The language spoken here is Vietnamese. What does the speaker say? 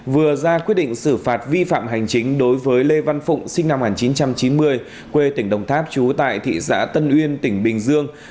vừa ra quyết định xử phạt vi phạm hành chính đối với lê văn phụng sinh năm một nghìn chín trăm chín mươi quê tỉnh đồng tháp chú tại thị xã tân uyên tỉnh bình dương